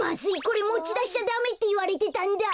これもちだしちゃダメっていわれてたんだ。